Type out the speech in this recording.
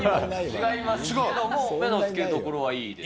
違いますけれども、目の付けどころはいいですよ。